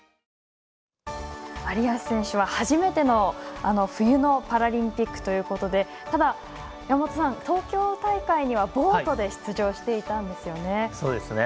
有安選手は初めての冬のパラリンピックということでただ、東京大会にはボートで出場していたんですよね。